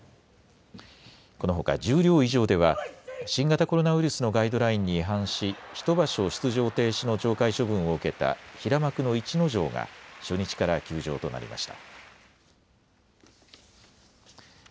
このほか十両以上では新型コロナウイルスのガイドラインに違反し１場所出場停止の懲戒処分を受けた平幕の逸ノ城が初日から休場となりました。